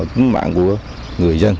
tính mạng của người dân